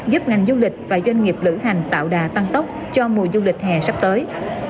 giúp ngành du lịch và doanh nghiệp lữ hành tạo đà tăng tốc cho mùa du lịch hè sắp tới